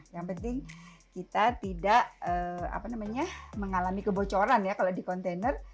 yang penting kita tidak mengalami kebocoran ya kalau di kontainer